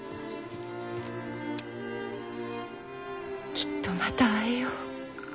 きっとまた会えよう。